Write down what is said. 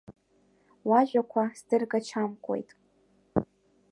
Уажәақәа сдыргачамкуеит.